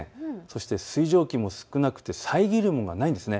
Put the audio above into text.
そして水蒸気も少なくて遮るものがないんです。